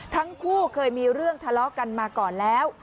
ทั้งคู่เคยมีเรื่องทะเลาะกันมาก่อนแล้ว